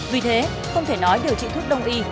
vì thế không thể nói điều trị thuốc đông y